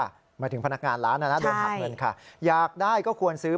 หมายถึงพนักงานร้านนะนะโดนหักเงินค่ะอยากได้ก็ควรซื้อ